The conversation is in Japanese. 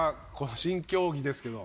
新競技ですけど。